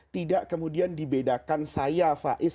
tidak kemudian dibedakan saya faiz